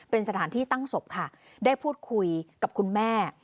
เป็นสถานที่ตั้งศพค่ะได้พูดคุยกับคุณแม่